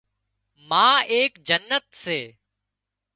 ما ايڪ جنت سي